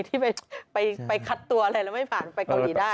ที่ไปคัดตัวอะไรแล้วไม่ผ่านไปเกาหลีได้